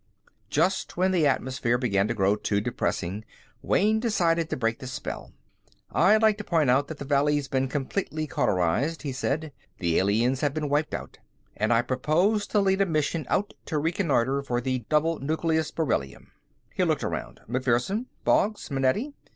Just when the atmosphere began to grow too depressing, Wayne decided to break the spell. "I'd like to point out that the valley's been completely cauterized," he said. "The aliens have been wiped out. And I propose to lead a mission out to reconnoitre for the double nucleus beryllium." He looked around. "MacPherson? Boggs? Manetti?